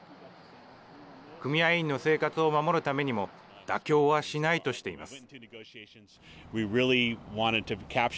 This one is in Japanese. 組合員の生活を守るためにも妥協はしないとしています。